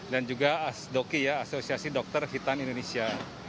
dan juga asdoki ya asosiasi dokter hitan indonesia